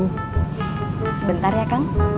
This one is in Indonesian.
sebentar ya kang